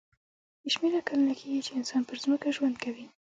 بې شمېره کلونه کېږي چې انسان پر ځمکه ژوند کوي.